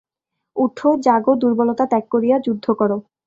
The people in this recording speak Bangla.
উঠ, জাগো, দুর্বলতা ত্যাগ করিয়া যুদ্ধ কর।